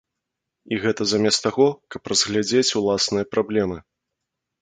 І гэта замест таго, каб разглядзець ўласныя праблемы.